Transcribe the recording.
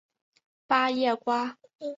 八叶瓜